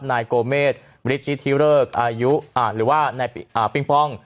นายโกเมษบริธิธิเริกอายุหรือว่านายปิ้งป้อง